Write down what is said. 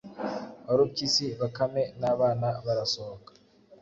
Warupyisi, Bakame, n’abana barasohoka,